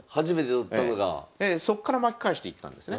そっから巻き返していったんですね。